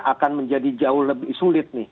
akan menjadi jauh lebih sulit nih